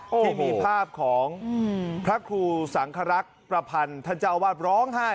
ที่มีภาพของพระครูสังครักษ์ประพันธ์ท่านเจ้าวาดร้องไห้